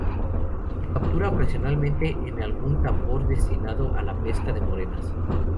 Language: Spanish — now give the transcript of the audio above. Se captura ocasionalmente en algún tambor destinado a la pesca de morenas.